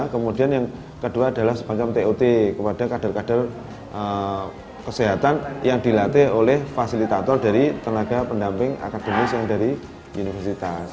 kemudian yang kedua adalah semacam tot kepada kader kader kesehatan yang dilatih oleh fasilitator dari tenaga pendamping akademis yang dari universitas